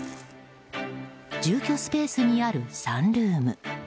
住居スペースにあるサンルーム。